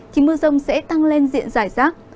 thì mưa rông sẽ tăng lên diện giải rác